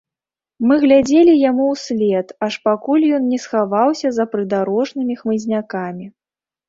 Мы глядзелі яму ўслед, аж пакуль ён не схаваўся за прыдарожнымі хмызнякамі.